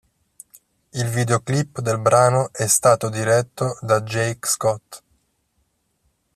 Il videoclip del brano è stato diretto da Jake Scott.